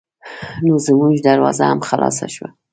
نو زمونږ دروازه هم خلاصه شوه.